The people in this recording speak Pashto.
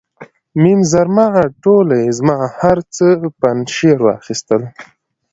میم زرما ټوله یې زما، هر څه پنجشیر واخیستل.